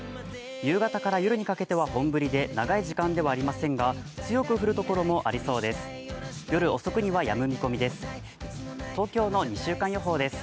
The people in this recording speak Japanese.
夕方から夜にかけては本降りで、長い時間ではありませんが強く降る所もありそうです。